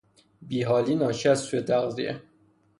بیحالی ناشی از سو تغذیه